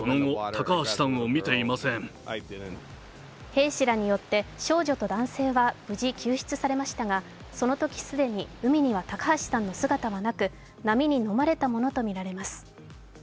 兵士らによって少女と男性は無事、救出されましたがそのとき既に海には高橋さんの姿はなく波に飲まれたものとみられます。